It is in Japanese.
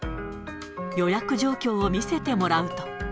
予約状況を見せてもらうと。